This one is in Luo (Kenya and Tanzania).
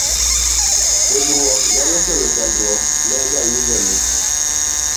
pogruok nyalo kelo chandruok ne jawinjo ni